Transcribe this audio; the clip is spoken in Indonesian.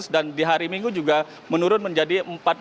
dan di hari minggu juga menurun menjadi empat belas dua ratus